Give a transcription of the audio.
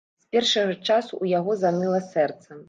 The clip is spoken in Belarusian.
З першага ж часу ў яго заныла сэрца.